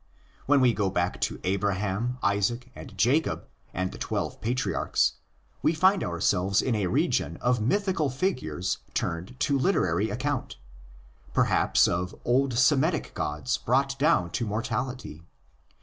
When we go back to Abraham, Isaac, and Jacob, and the twelve patriarchs, we find ourselves in a region of mythical figures turned to literary account; perhaps of old Semitic gods brought down to mortality.